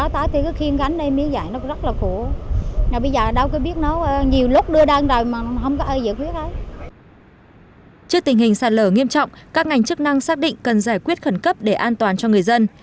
trước tình hình sạt lở nghiêm trọng các ngành chức năng xác định cần giải quyết khẩn cấp để an toàn cho người dân